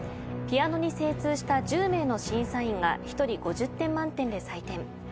ピアノに精通した１０名の審査員が１人５０点満点で採点。